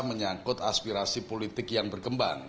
menyangkut aspirasi politik yang berkembang